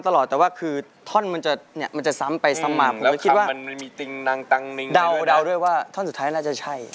ท่อนมันจะซ้ำไปซ้ำมาผมก็คิดว่าดาวด้วยว่าท่อนสุดท้ายน่าจะใช่